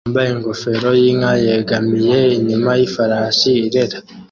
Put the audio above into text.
Umugabo wambaye ingofero yinka yegamiye inyuma yifarasi irera